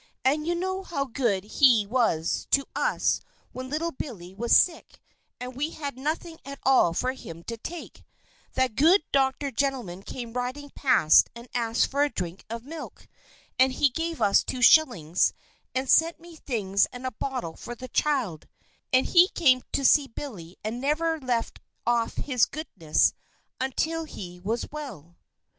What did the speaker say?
And you know how good He was to us when little Billy was sick, and we had nothing at all for him to take that good doctor gentleman came riding past and asked for a drink of milk, and he gave us two shillings, and sent me things and a bottle for the child; and he came to see Billy and never left off his goodness until he was well."